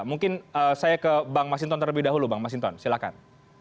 mungkin saya ke bang masinton terlebih dahulu bang masinton silahkan